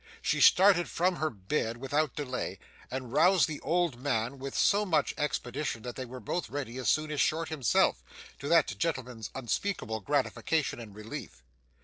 She started from her bed without delay, and roused the old man with so much expedition that they were both ready as soon as Short himself, to that gentleman's unspeakable gratification and relief.